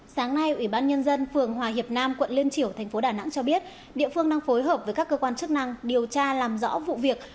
sáng nay ủy ban nhân dân phường hòa hiệp nam quận liên triểu tp đà nẵng cho biết địa phương đang phối hợp với các cơ quan chức năng điều tra làm rõ vụ việc